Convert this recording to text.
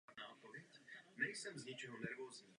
Ještě nejste předseda Parlamentu!